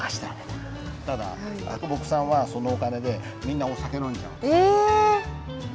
ただ木さんはそのお金でみんなお酒飲んじゃうんです。え！